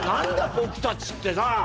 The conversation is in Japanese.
“僕たち”ってさ！」